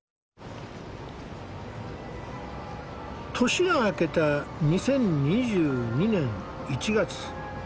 年が明けた２０２２年１月。